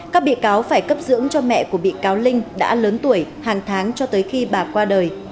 các bị cáo phải cấp dưỡng cho mẹ của bị cáo linh đã lớn tuổi hàng tháng cho tới khi bà qua đời